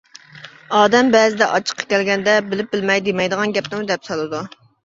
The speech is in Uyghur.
ئادەم بەزىدە ئاچچىقى كەلگەندە بىلىپ-بىلمەي دېمەيدىغان گەپنىمۇ دەپ سالىدۇ.